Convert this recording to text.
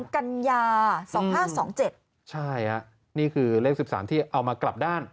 กัญญา๒๕๒๗ใช่ฮะนี่คือเลข๑๓ที่เอามากลับด้าน